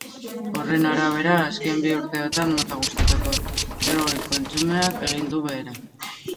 Horren arabera, azken bi urteotan mota guztietako drogen kontsumoak egin du behera.